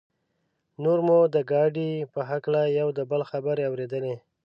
نور مو د ګاډي په هکله یو د بل خبرې اورېدلې.